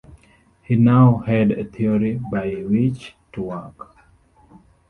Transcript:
He now had a theory by which to work.